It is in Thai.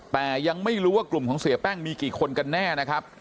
แต่ยังไม่รู้ว่ากลุ่มของเสียแป้งมีกี่คนกันแน่นะครับ